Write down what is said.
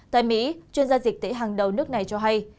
tại mỹ chuyên gia dịch tễ hàng đầu nước này cho hay